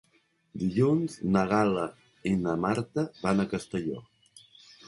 Dilluns na Gal·la i na Marta van a Castelló.